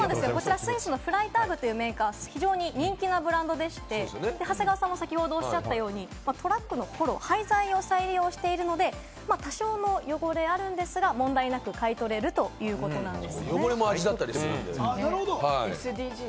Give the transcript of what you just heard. スイスのフライターグというメーカー、人気なブランドでして、長谷川さんもおっしゃったように、トラックのホロ、廃材を再利用しているので、多少の汚れはあるんですが、問題なく買い取れるということです。